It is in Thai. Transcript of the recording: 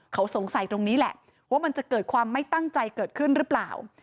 เขาสงสัยตรงนี้แหละว่ามันจะเกิดความไม่ตั้งใจเกิดขึ้นหรือเปล่า